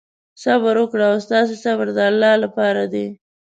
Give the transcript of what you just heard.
صبر وکړئ او ستاسې صبر د الله لپاره دی.